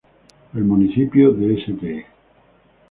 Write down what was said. El municipio de Ste.